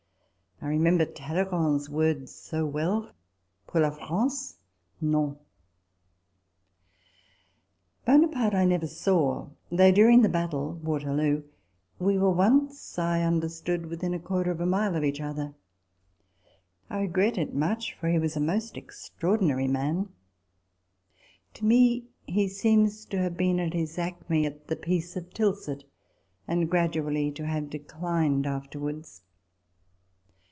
I remember Talleyrand's words so well :" Pour la France Non !" Buonaparte I never saw ; though during the battle [Waterloo] we were once, I understood, within a quarter of a mile of each other. I regret it much ; for he was a most extraordinary man. To me he seems to have been at his acme at the Peace of Tilsit,* and gradually to have declined afterwards.